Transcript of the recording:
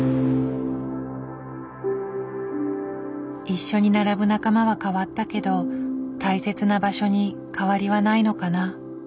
一緒に並ぶ仲間は変わったけど大切な場所に変わりはないのかな。